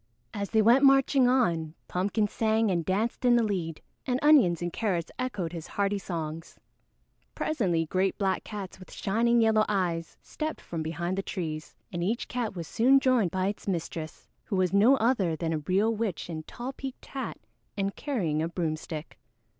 As they went marching on, Pumpkin sang and danced in the lead, and Onions and Carrots echoed his hearty songs. Presently great black cats with shining yellow eyes stepped from behind the trees, and each cat was soon joined by its mistress, who was no other than a real witch in tall peaked hat and carrying a broomstick.